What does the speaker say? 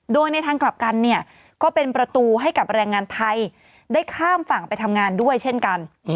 โดยในทางกลับกันเนี่ยก็เป็นประตูให้กับแรงงานไทยได้ข้ามฝั่งไปทำงานด้วยเช่นกัน